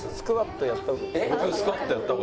「スクワットやった方が」。